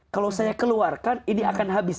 kalau saya keluarkan ini akan habis